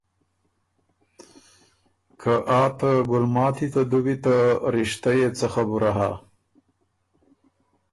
که آ ته ګلماتی ته دُوّي ته رِشتۀ يې څۀ خبُره هۀ؟